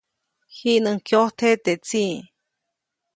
Jiʼnuŋ kyojtje teʼ tsiʼ.